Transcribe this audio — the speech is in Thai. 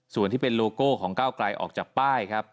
ส่วนที่เป็นโลโก้ของก้าวไกลออกจากป้ายครับ